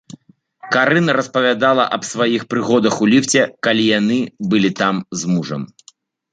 Карын распавяла аб сваіх прыгодах у ліфце, калі яны былі там з мужам.